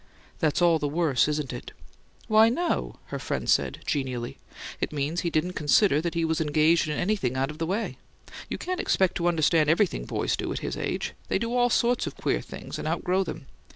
"That's all the worse, isn't it?" "Why, no," her friend said, genially. "It means he didn't consider that he was engaged in anything out of the way. You can't expect to understand everything boys do at his age; they do all sorts of queer things, and outgrow them.